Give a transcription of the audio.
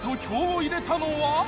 票を入れたのは。